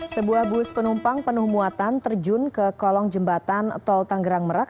sebuah bus penumpang penuh muatan terjun ke kolong jembatan tol tanggerang merak